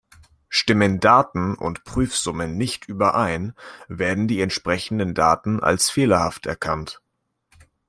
Stimmen Daten und Prüfsumme nicht überein, werden die entsprechenden Daten als fehlerhaft erkannt.